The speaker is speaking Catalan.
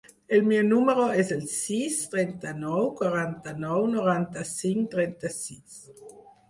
El meu número es el sis, trenta-nou, quaranta-nou, noranta-cinc, trenta-sis.